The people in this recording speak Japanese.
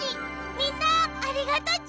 みんなありがとち！